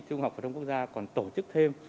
trung học phổ thông quốc gia còn tổ chức thêm